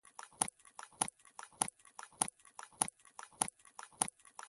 په زړه کې مې ستا د محبت پرته بل څه نشته.